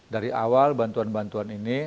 dari awal bantuan bantuan ini